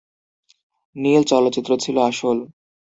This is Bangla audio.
নীল চলচ্চিত্র ছিল "আসল"।